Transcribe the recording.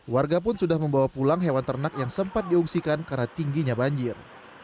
warga pun sudah membawa pulang hewan ternak yang sempat diungsikan karena tingginya banjir